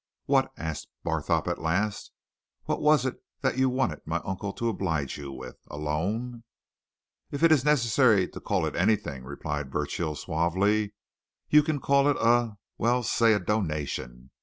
"What," asked Barthorpe at last, "what was it that you wanted my uncle to oblige you with? A loan?" "If it's necessary to call it anything," replied Burchill suavely, "you can call it a well, say a donation.